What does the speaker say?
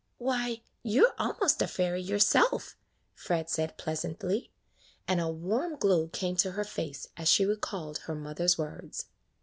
"Why,* you 're almost a fairy yourself," Fred said presently, and a warm glow came to her face as she recalled her mother's words.